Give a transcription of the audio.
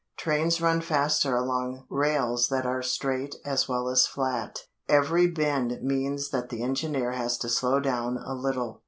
Trains run faster along rails that are straight as well as flat. Every bend means that the engineer has to slow down a little.